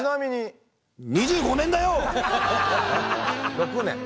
６年。